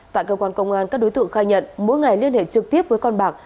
tại cơ quan công an các đối tượng khai nhận mỗi ngày liên hệ trực tiếp với con bạc